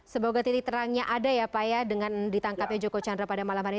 semoga titik terangnya ada ya pak ya dengan ditangkapnya joko chandra pada malam hari ini